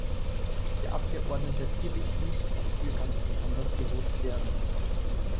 Der Abgeordnete Tillich muss dafür ganz besonders gelobt werden.